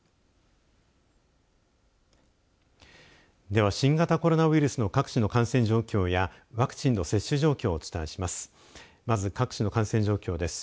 では、新型コロナウイルスの各地の感染状況やワクチンの接種状況をお伝えします。